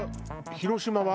広島は？